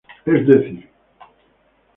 Es decir,